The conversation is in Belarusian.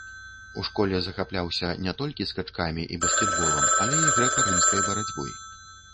У школе захапляўся не толькі скачкамі і баскетболам, але і грэка-рымскай барацьбой.